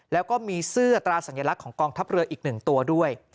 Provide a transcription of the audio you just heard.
แล้วก็มีเสื้อตราสัญลักษณ์ของกองทัพเรืออีก๑ตัวด้วย